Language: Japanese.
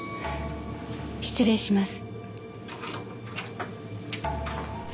失礼します。